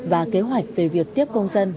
và kế hoạch về việc tiếp công dân